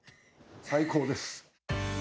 最高です！